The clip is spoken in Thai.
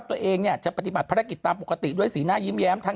ตัวเองจะปฏิบัติภารกิจตามปกติด้วยสีหน้ายิ้มแย้มทั้ง